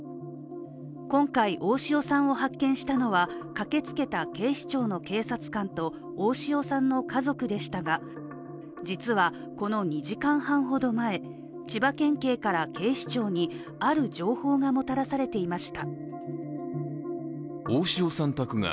今回、大塩さんを発見したのは駆けつけた警視庁の警察官と大塩さんの家族でしたが、実はこの２時間半ほど前、千葉県警から警視庁にある情報がもたらされていました。